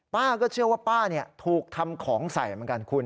ป้าก็เชื่อว่าป้าถูกทำของใส่เหมือนกันคุณ